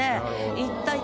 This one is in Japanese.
一体。